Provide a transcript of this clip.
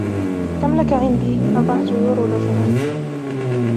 كم لك عندي ؟- أربعة يورو لو سمحت.